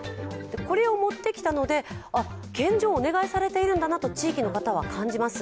これを持ってきたので献上をお願いされているんだなと地域の方は感じます。